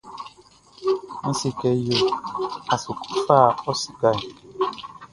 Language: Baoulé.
N se kɛ yo a su kɔ fa ɔ sikaʼn?